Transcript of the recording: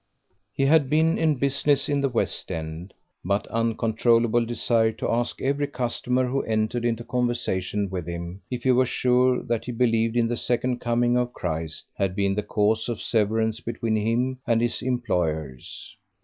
He had been in business in the West End, but an uncontrollable desire to ask every customer who entered into conversation with him if he were sure that he believed in the second coming of Christ had been the cause of severance between him and his employers.